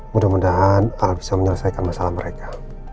mudah mudahan bisa menyelesaikan masalah mereka